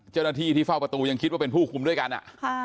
เจ้าหน้าที่ที่เฝ้าประตูยังคิดว่าเป็นผู้คุมด้วยกันอ่ะค่ะ